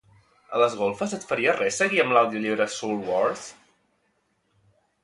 A les golfes et faria res seguir amb l'audiollibre "Soulwars"?